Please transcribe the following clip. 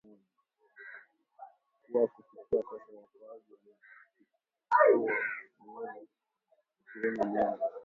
kuwa kufikia sasa waokoaji wamechukua miili ishirini na moja